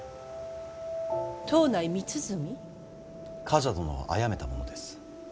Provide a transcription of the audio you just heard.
冠者殿をあやめた者です。